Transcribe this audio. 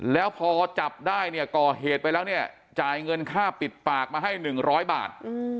แล้วพอจับได้เนี่ยก่อเหตุไปแล้วเนี่ยจ่ายเงินค่าปิดปากมาให้๑๐๐บาท